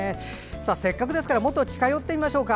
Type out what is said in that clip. せっかくですからもっと近寄ってみましょうか。